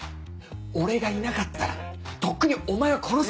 俺がいなかったらとっくにお前は殺されて。